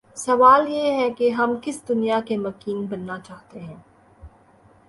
سوال یہ ہے کہ ہم کس دنیا کے مکین بننا چاہتے ہیں؟